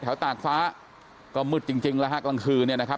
ตากฟ้าก็มืดจริงจริงแล้วฮะกลางคืนเนี่ยนะครับ